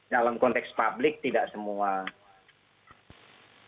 dalam konteks publik tidak semua